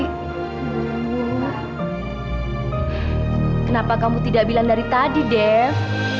kenapa kamu tidak bilang dari tadi def